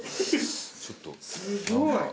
すごい。